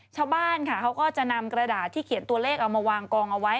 ชาวบ้านค่ะเขาก็จะนำกระดาษที่เขียนตัวเลขเอามาวางกองเอาไว้